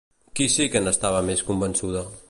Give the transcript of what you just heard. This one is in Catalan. Qui sí que n'estava més convençuda?